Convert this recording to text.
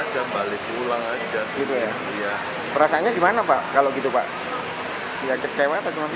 ya perasaannya gimana pak kalau gitu pak ya kecewa atau gimana